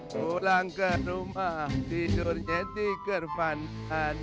pulang ke rumah tidurnya di gerbantan